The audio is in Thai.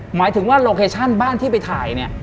หมายถึงว่าโลเคชั่นบ้านที่ไปถ่ายเนี่ย